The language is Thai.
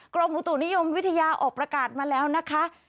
กรมอุตุนิยมวิทยาออกประกาศมาแล้วนะคะ